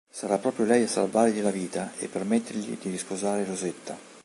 Sarà proprio lei a salvargli la vita e permettergli di sposare Rosetta.